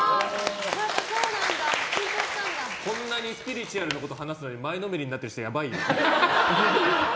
こんなにスピリチュアルなこと話すのに前のめりになってる人、やばいよ。